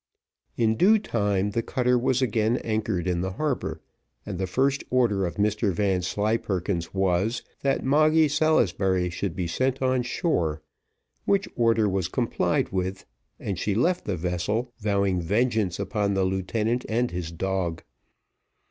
In due time the cutter was again anchored in the harbour, and the first order of Mr Vanslyperken's was, that Moggy Salisbury should be sent on shore, which order was complied with, and she left the vessel, vowing vengeance upon the lieutenant and his dog.